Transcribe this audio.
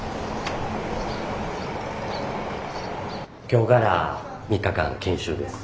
今日から３日間研修です。